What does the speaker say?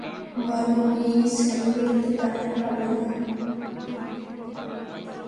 ভানু, উনি সারোগেট হতে পারবে না।